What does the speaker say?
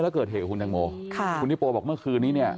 แล้วเกิดเหตุของคุณแตงโมคุณฮิปโปบอกเมื่อคืนนี้